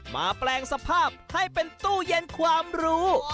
แปลงสภาพให้เป็นตู้เย็นความรู้